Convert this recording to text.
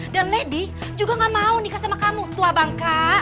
dan lady juga gak mau nikah sama kamu tua bangka